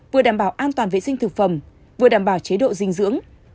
vừa đảm bảo an toàn vệ sinh thực phẩm vừa đảm bảo chế độ dinh dưỡng